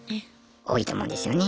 多いと思うんですよね。